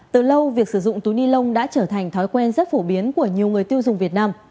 từ lâu việc sử dụng túi ni lông đã trở thành thói quen rất phổ biến của nhiều người tiêu dùng việt nam